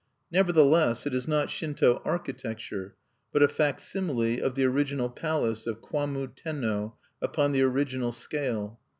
Nevertheless, it is not Shinto architecture, but a facsimile of the original palace of Kwammu Tenno upon the original scale.